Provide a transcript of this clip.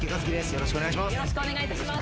よろしくお願いします。